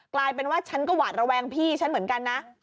กลายเป็นว่าฉันก็หวาดระแวงพี่ฉันเหมือนกันนะ